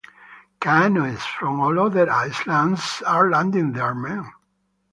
Canoes from all other islands are landing their men.